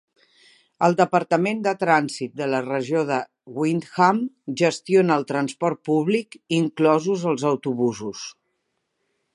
El departament de trànsit de la regió de Windham gestiona el transport públic, inclosos els autobusos.